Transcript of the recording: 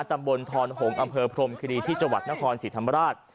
ตำบลทอนหงษอำเภอพรมคิรีที่จังหวัดนครศรีธรรมราช